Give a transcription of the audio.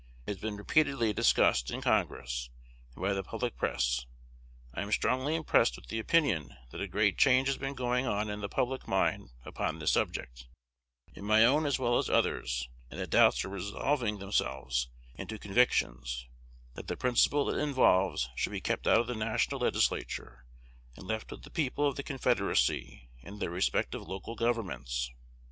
It has been repeatedly discussed in Congress, and by the public press. I am strongly impressed with the opinion that a great change has been going on in the public mind upon this subject, in my own as well as others; and that doubts are resolving themselves into convictions, that the principle it involves should be kept out of the national Legislature, and left to the people of the Confederacy in their respective local governments.